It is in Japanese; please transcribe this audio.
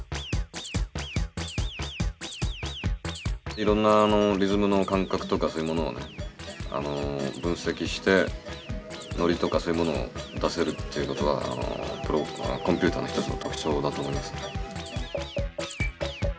いろんなリズムの間隔とかそういうものをね分析してノリとかそういうものを出せるっていうことはコンピューターの一つの特徴だと思いますね。